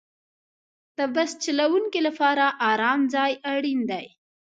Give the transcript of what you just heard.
د بس چلوونکي لپاره د آرام ځای اړین دی.